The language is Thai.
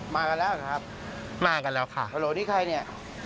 มากันแล้วนะครับมากันแล้วค่ะฮัลโหลที่ใครเนี่ย